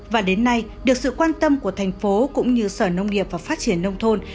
và đến nay được sự quan tâm của thành phố cũng như sở nông nghiệp và phát triển nông thôn